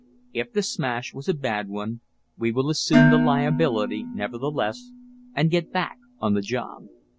If the smash was a bad one we will assume the liability, nevertheless, and get back on the job.